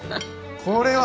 これは！